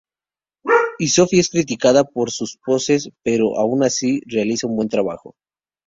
Y Sophie es criticada por sus poses, pero aun así realiza un buen trabajo.